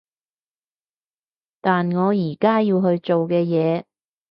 但我而家要去做嘅嘢